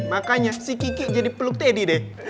makanya si kiki jadi peluk teddy deh